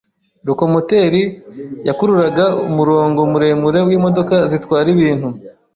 Lokomoteri yakururaga umurongo muremure wimodoka zitwara ibintu.